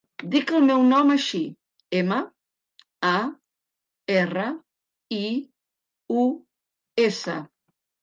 Dic el meu nom així: ema, a, erra, i, u, essa.